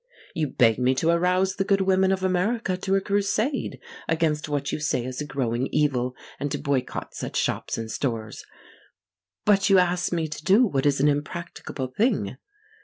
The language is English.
You beg me to arouse the good women of America to a crusade against what you say is a growing evil and to boycott such shops and stores. But you ask me to do what is an impracticable thing.